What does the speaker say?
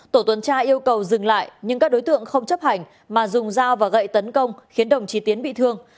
tổ tuần tra yêu cầu dừng lại nhưng các đối tượng không chấp hành mà dùng dao và gậy tấn công khiến đồng chí tiến bị thương